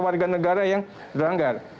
warga negara yang deranggar